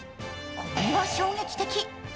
これは衝撃的。